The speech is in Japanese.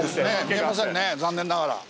見えませんね残念ながら。